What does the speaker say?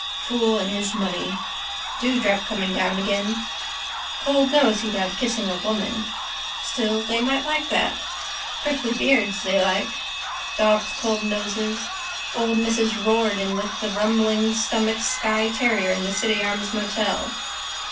Fool and his money. Dewdrop coming down again. Cold nose he'd have kissing a woman. Still they might like. Prickly beards they like. Dogs' cold noses. Old Mrs Riordan with the rumbling stomach's Skye terrier in the City Arms hotel.